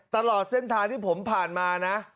ตลอดเส้นทางที่ผมผ่านมานะ